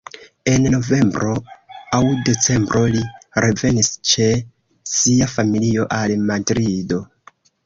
En novembro aŭ decembro li revenis ĉe sia familio al Madrido.